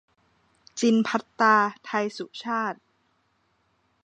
จิณภัทตา ไทยสุชาต